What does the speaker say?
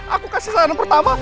aku kasih saran pertama